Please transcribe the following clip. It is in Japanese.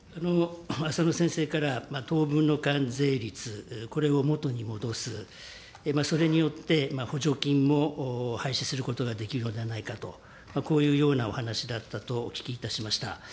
浅野先生から当分の関税率、これを元に戻す、それによって、補助金を廃止することができるのではないかと、こういうようなお話だったとお聞きいたしました。